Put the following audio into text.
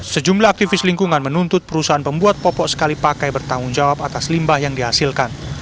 sejumlah aktivis lingkungan menuntut perusahaan pembuat popok sekali pakai bertanggung jawab atas limbah yang dihasilkan